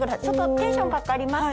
テンションかかりました？